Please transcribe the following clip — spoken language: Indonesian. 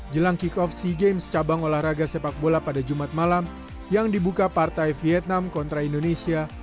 jelang kick off sea games cabang olahraga sepak bola pada jumat malam yang dibuka partai vietnam kontra indonesia